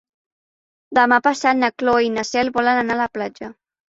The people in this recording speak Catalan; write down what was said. Demà passat na Cloè i na Cel volen anar a la platja.